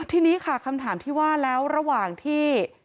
ทีนี้ค่ะคำถามที่ว่าแล้วระหว่างที่